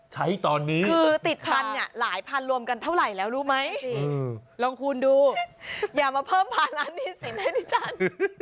ใช้ตอนนี้คือติดพันเนี่ยหลายพันรวมกันเท่าไหร่แล้วรู้ไหมลองคูณดูอย่ามาเพิ่มภาระหนี้สินให้ดิฉัน